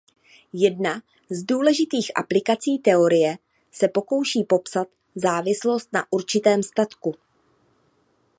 Jedna z důležitých aplikací teorie se pokouší popsat závislost na určitém statku.